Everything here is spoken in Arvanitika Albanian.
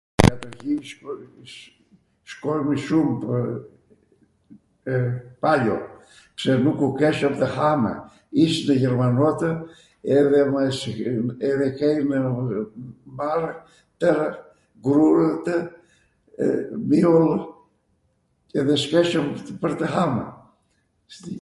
shkojmw shumw pwr pwr palio... pse nuku keshwm tw hamw... ishnw jermanotw edhe kejnw mar twrw grurwtw, miull, edhe s'keshwm pwr tw hamw